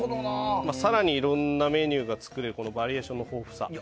更に、いろんなメニューが作れるバリエーションの豊富さ。